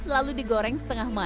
lalu digoreng setengah masak